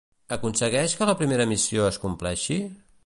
Aconsegueix que la primera missió es compleixi?